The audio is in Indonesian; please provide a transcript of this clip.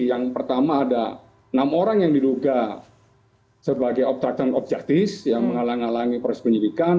yang pertama ada enam orang yang diduga sebagai objaktis yang menghalangi proses penyidikan